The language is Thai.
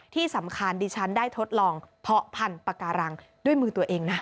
ที่สำคัญดิฉันได้ทดลองเพาะพันธุ์ปาการังด้วยมือตัวเองนะ